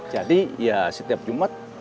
jadi ya setiap jumat